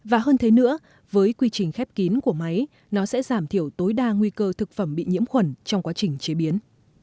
và hơn thế nữa với quy trình khép kín của máy nó sẽ giảm thiểu tối đa nguy cơ thực phẩm bị nhiễm khuẩn trong quá trình chế biến